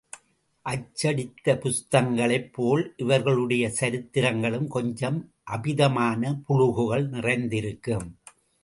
அச்சடித்த புஸ்தகங்களைப் போல் இவர்களுடைய சரித்திரங்களும் கொஞ்சம் அமிதமான புளுகுகள் நிறைந்திருக்கும்.